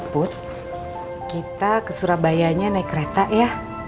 put kita ke surabayanya naik kereta ya